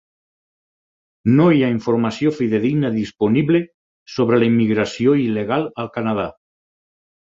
No hi ha informació fidedigna disponible sobre la immigració il·legal al Canadà.